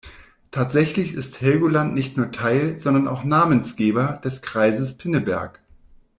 Tatsächlich ist Helgoland nicht nur Teil, sondern auch Namensgeber des Kreises Pinneberg.